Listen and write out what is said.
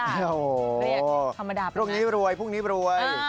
รีบธรรมดาไปไหนพรุ่งนี้บรวยพรุ่งนี้บรวย